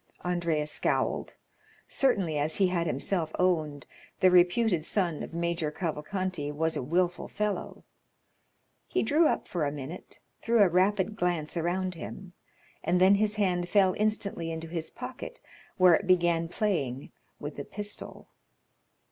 Andrea scowled. Certainly, as he had himself owned, the reputed son of Major Cavalcanti was a wilful fellow. He drew up for a minute, threw a rapid glance around him, and then his hand fell instantly into his pocket, where it began playing with a pistol.